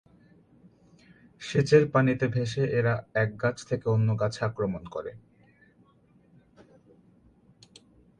সেচের পানিতে ভেসে এরা এক গাছ থেকে অন্য গাছে আক্রমণ করে।